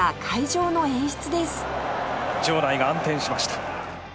場内が暗転しました。